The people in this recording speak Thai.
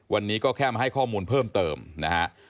วันนี้ก็แค่มาให้ข้อมูลเพิ่มเติมนะฮะ